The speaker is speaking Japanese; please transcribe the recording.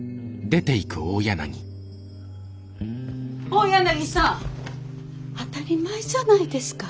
大柳さん当たり前じゃないですか。